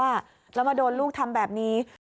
แล้วมาโดนลูกทำแบบนี้